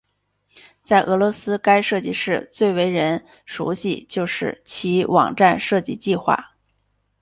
在俄罗斯该设计室最为人熟悉就是其网站设计计划。